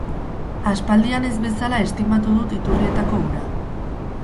Aspaldian ez bezala estimatu dut iturrietako ura.